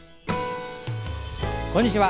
こんにちは。